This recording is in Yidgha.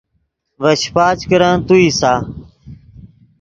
ڤے شیپچ کرن تو اِیسا